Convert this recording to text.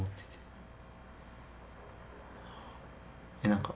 何か。